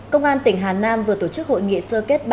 công an tỉnh hà nam vừa tổ chức hội nghị sơ kết